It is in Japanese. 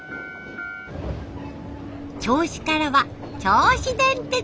銚子からは銚子電鉄！